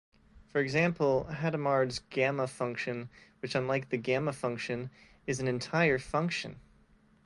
For example, Hadamard's 'Gamma'-function which, unlike the Gamma function, is an entire function.